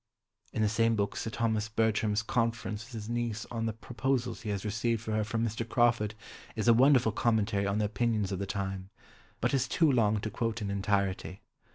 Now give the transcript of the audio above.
In the same book Sir Thomas Bertram's conference with his niece on the proposals he has received for her from Mr. Crawford is a wonderful commentary on the opinions of the time, but is too long to quote in entirety.